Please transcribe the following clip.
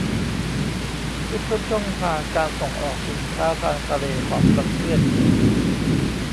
เพื่อเพิ่มช่องทางการส่งออกสินค้าทางทะเลของประเทศ